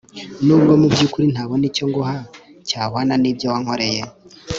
nubwo mubyukuri ntabon icyo nguha cyahwana nibyo wankoreye